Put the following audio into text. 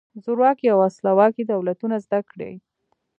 زورواکي او ولسواکي دولتونه زده کړئ.